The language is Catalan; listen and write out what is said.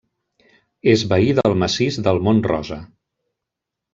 És veí del massís del Mont Rosa.